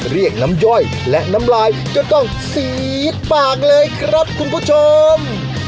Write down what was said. เรียกน้ำย่อยและน้ำลายก็ต้องสีปากเลยครับคุณผู้ชม